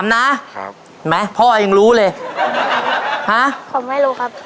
๓นะพ่อเองรู้เลยฮะผมไม่รู้ครับ